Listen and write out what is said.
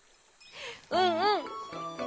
うんうん。